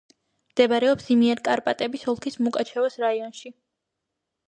მდებარეობს იმიერკარპატების ოლქის მუკაჩევოს რაიონში.